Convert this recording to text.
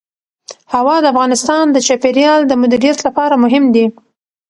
هوا د افغانستان د چاپیریال د مدیریت لپاره مهم دي.